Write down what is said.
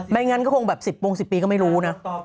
งั้นก็คงแบบ๑๐โมง๑๐ปีก็ไม่รู้นะ